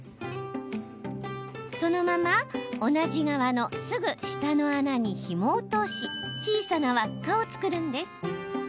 そのまま同じ側のすぐ下の穴にひもを通し小さな輪っかを作るんです。